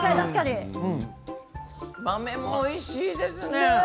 豆もおいしいですね。